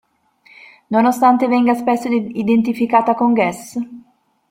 Nonostante venga spesso identificata con "Guess?